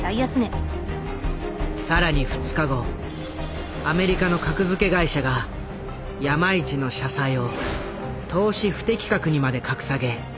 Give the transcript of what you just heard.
更に２日後アメリカの格付け会社が山一の社債を「投資不適格」にまで格下げショックが走った。